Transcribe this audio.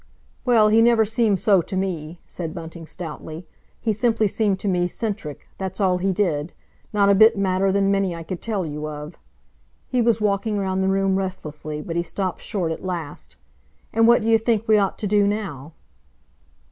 "Well, he never seemed so to me," said Bunting stoutly. "He simply seemed to me 'centric—that's all he did. Not a bit madder than many I could tell you of." He was walking round the room restlessly, but he stopped short at last. "And what d'you think we ought to do now?"